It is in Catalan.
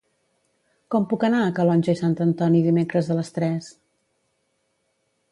Com puc anar a Calonge i Sant Antoni dimecres a les tres?